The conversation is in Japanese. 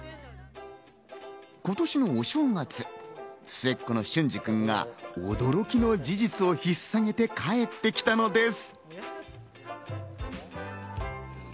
今年のお正月、末っ子の隼司君が驚きの事実を引っ提げて帰ってきたのです。